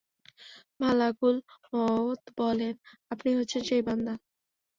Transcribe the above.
মালাকুল মওত বললেন— আপনিই হচ্ছেন সেই বান্দা।